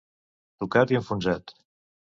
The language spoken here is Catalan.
Tocat i enfonsat.